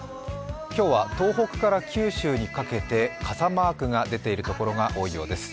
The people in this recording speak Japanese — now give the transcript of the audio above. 今日は東北から九州にかけて、傘マークが出ている所が多いようです。